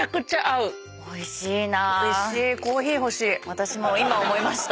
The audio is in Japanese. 私も今思いました。